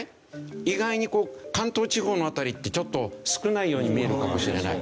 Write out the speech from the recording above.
意外に関東地方の辺りってちょっと少ないように見えるかもしれない。